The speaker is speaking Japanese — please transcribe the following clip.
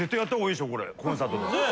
コンサートで。